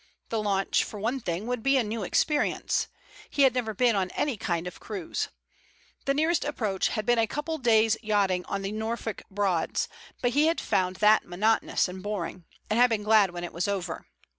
The launch, for one thing, would be a new experience. He had never been on any kind of cruise. The nearest approach had been a couple of days' yachting on the Norfolk Broads, but he had found that monotonous and boring, and had been glad when it was over.